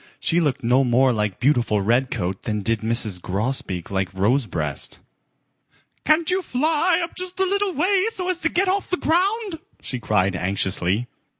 She looked no more like beautiful Redcoat than did Mrs. Grosbeak like Rosebreast. "Can't you fly up just a little way so as to get off the ground?" she cried anxiously.